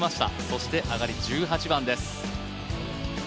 そして上がり１８番です。